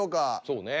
そうね。